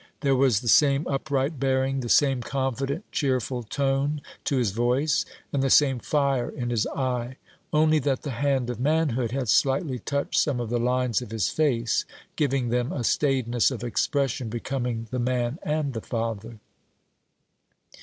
There was the same upright bearing, the same confident, cheerful tone to his voice, and the same fire in his eye; only that the hand of manhood had slightly touched some of the lines of his face, giving them a staidness of expression becoming the man and the father.